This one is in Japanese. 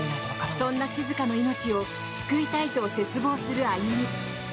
そんな静の命を救いたいと切望する歩。